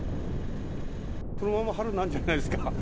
このまま春になるんじゃないですか。